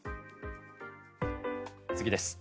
次です。